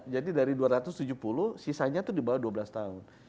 jadi dari dua ratus tujuh puluh sisanya itu di bawah dua belas tahun